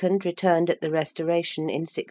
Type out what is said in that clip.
returned~ at the Restoration in 1660.